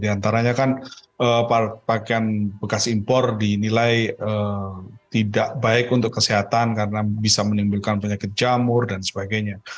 di antaranya kan pakaian bekas impor dinilai tidak baik untuk kesehatan karena bisa menimbulkan penyakit jamur dan sebagainya